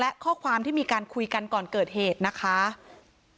แต่ก็เหมือนกับว่าจะไปดูของเพื่อนแล้วก็ค่อยทำส่งครูลักษณะประมาณนี้นะคะ